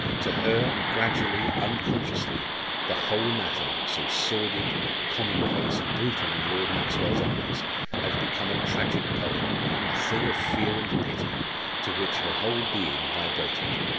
To her, gradually, unconsciously, the whole matter so sordid, commonplace, brutal in Lord Maxwell's eyes! had become a tragic poem, a thing of fear and pity, to which her whole being vibrated.